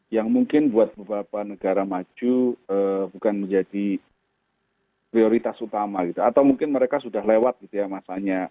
yang mungkin buat beberapa negara maju bukan menjadi prioritas utama gitu atau mungkin mereka sudah lewat gitu ya masanya